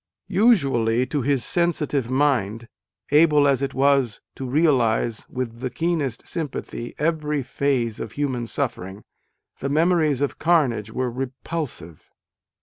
Usually, to his sensitive mind, able as it was to realise with the keenest sympathy every phase of human suffering, the memories of carnage were repulsive.